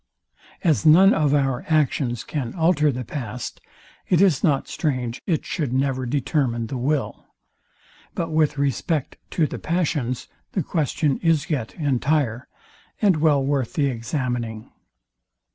As none of our actions can alter the past, it is not strange it should never determine the will. But with respect to the passions the question is yet entire, and well worth the examining.